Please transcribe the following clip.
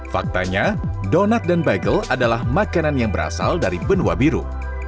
faktanya donat dan bagel adalah makanan yang berasal dari benua biru